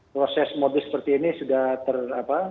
proses modus seperti ini sudah ter apa